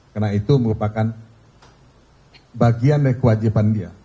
karena itu merupakan bagian dari kewajiban dia